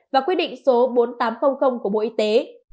và quyết định số bốn nghìn tám trăm linh của bộ y tế